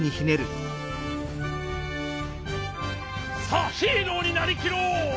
さあヒーローになりきろう！